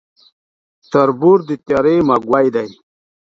تر بور د تيارې موږى دى.